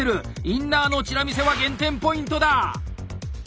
インナーのチラ見せは減点ポイントだ！